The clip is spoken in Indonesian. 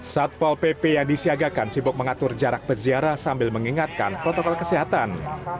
satpol pp yang disiagakan sibuk mengatur jarak peziarah sambil mengingatkan protokol kesehatan